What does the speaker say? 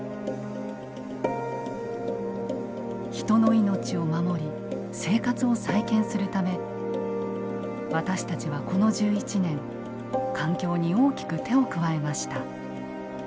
人の命を守り生活を再建するため私たちはこの１１年環境に大きく手を加えました。